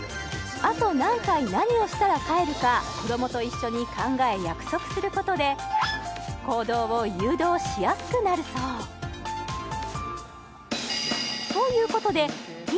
あと何回何をしたら帰るか子どもと一緒に考え約束することで行動を誘導しやすくなるそうということでてぃ